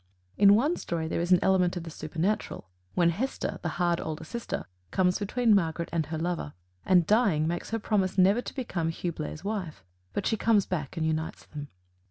In one story there is an element of the supernatural, when Hester, the hard older sister, comes between Margaret and her lover and, dying, makes her promise never to become Hugh Blair's wife, but she comes back and unites them.